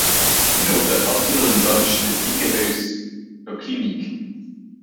Note that hospital in Dutch is "ziekenhuis" or "kliniek".